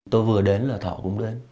tôi vừa đến là thọ cũng đến